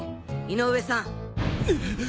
井上さん。